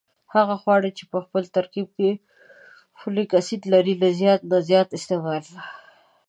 هغه خواړه چې خپل ترکیب کې فولک اسید لري له زیات نه زیات استعمال